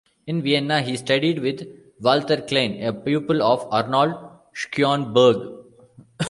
In Vienna, he studied with Walther Klein, a pupil of Arnold Schoenberg.